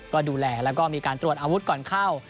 ก็ดูแลแล้วก็มีการตรวจอาวุธก่อนเข้า